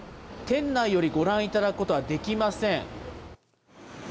店内よりご覧いただくことはできません。